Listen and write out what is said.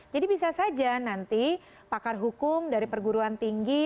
jadi bisa saja nanti pakar hukum dari perguruan tinggi